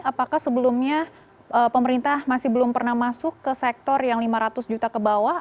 apakah sebelumnya pemerintah masih belum pernah masuk ke sektor yang lima ratus juta ke bawah